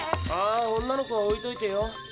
あ女の子はおいといてよ。